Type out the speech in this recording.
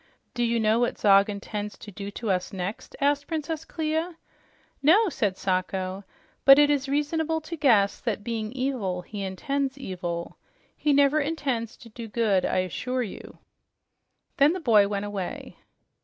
"Do you know what Zog intends to do to us next?" asked Princess Clia. "No," said Sacho, "but it is reasonable to guess that, being evil, he intends evil. He never intends to do good, I assure you." Then the boy went away.